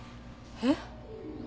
えっ？